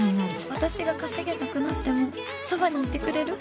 私が稼げなくなってもそばにいてくれる？